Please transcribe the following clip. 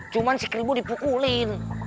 cuman si keribu dipukulin